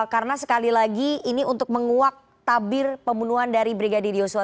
karena sekali lagi ini untuk menguak tabir pembunuhan dari brigadir yuswa